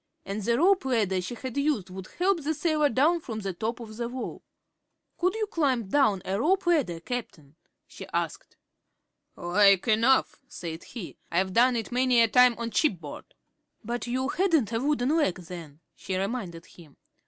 And the rope ladder she had used would help the sailor down from the top of the wall. "Could you climb down a rope ladder, Cap'n?" she asked. "Like enough," said he. "I've done it many a time on shipboard." "But you hadn't a wooden leg then," she reminded him.